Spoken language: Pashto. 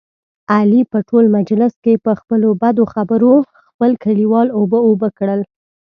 علي په ټول مجلس کې، په خپلو بدو خبرو خپل کلیوال اوبه اوبه کړل.